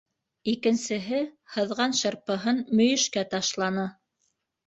Икенсеһе һыҙған шырпыһын мөйөшкә ташланы.